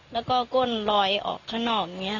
แล้วก็ก้นลอยออกข้างนอกอย่างนี้